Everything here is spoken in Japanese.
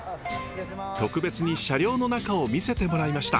特別に車両の中を見せてもらいました。